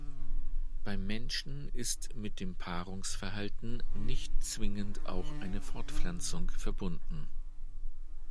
Beim Menschen ist mit dem Paarungsverhalten nicht zwingend auch eine Fortpflanzung verbunden.